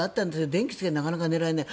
電気をつけてなかなか寝られない。